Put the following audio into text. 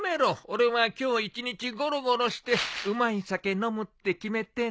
俺は今日一日ゴロゴロしてうまい酒飲むって決めてんだ。